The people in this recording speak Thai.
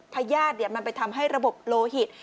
พญาติมันไปทำให้ระบบโลหิต